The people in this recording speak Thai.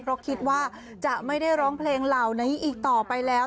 เพราะคิดว่าจะไม่ได้ร้องเพลงเหล่านี้อีกต่อไปแล้ว